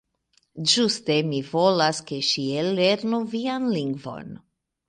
Ĝuste, mi volas, ke ŝi ellernu vian lingvon.